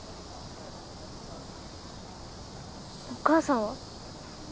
お母さんは？